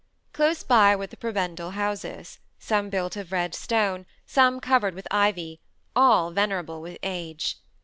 Close by, were the prebendal houses; some built of red stone, some covered with ivy, all venerable with age.